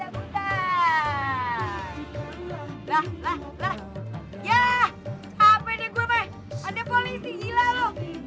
eri tadi bukannya ngomong